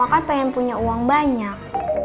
mama kan pengen punya uang banyak